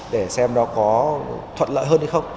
để xem nó có thuận lợi hơn hay không